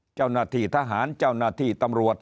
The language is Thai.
เจ้าหน้าที่ทหารเจ้าหน้าที่ตำรวจ